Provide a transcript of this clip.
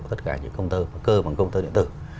tất cả những công tơ cơ bằng công tơ điện tử